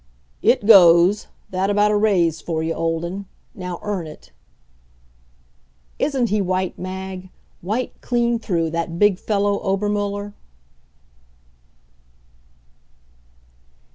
"It goes that about a raise for you, Olden. Now earn it." Isn't he white, Mag white clean through, that big fellow Obermuller?